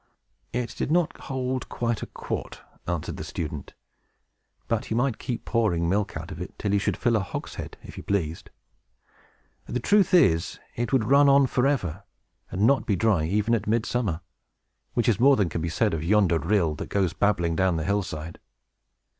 "It did not hold quite a quart," answered the student; "but you might keep pouring milk out of it, till you should fill a hogshead, if you pleased. The truth is, it would run on forever, and not be dry even at midsummer, which is more than can be said of yonder rill, that goes babbling down the hill side."